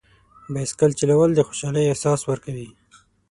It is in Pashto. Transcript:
بایسکل چلول د خوشحالۍ احساس ورکوي.